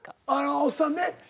おっさんね。